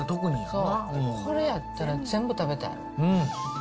これやったら全部食べたい。